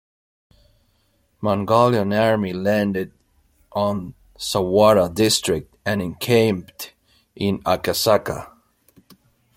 Mongolian Army landed on Sawara District and encamped in Akasaka.